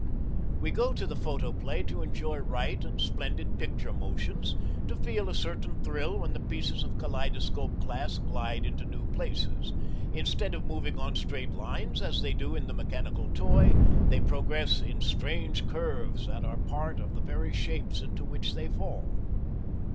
We go to the photoplay to enjoy right and splendid picture motions, to feel a certain thrill when the pieces of kaleidoscope glass slide into new places. Instead of moving on straight lines, as they do in the mechanical toy, they progress in strange curves that are part of the very shapes into which they fall.